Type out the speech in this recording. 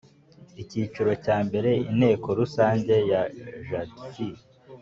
Icyiciro cya mbere inteko rusange ya jadf